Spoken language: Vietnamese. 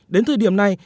đến thời điểm này